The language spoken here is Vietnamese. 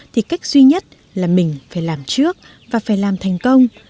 thì cách duy nhất là mình phải làm trước và phải làm thành công